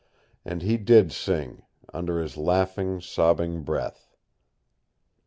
And he DID sing, under his laughing, sobbing breath.